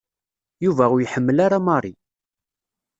Yuba ur iḥemmel ara Mary.